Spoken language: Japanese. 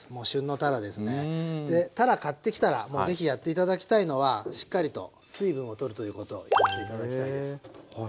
たら買ってきたらもうぜひやって頂きたいのはしっかりと水分を取るということをやって頂きたいです。